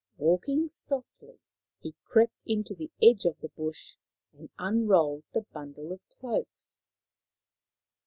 Walking softly, he crept into the edge of the bush and unrolled the bundle of cloaks.